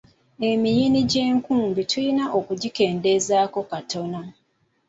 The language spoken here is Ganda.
Emiyini gy’enkumbi tulina okugikendeezaako katono.